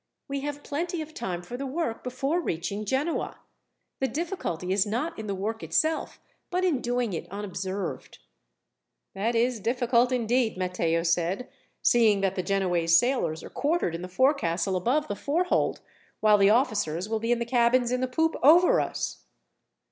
We have plenty of time for the work before reaching Genoa. The difficulty is not in the work itself, but in doing it unobserved." "That is difficult, indeed," Matteo said, "seeing that the Genoese sailors are quartered in the forecastle above the forehold, while the officers will be in the cabins in the poop over us."